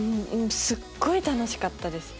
すっごい楽しかったです。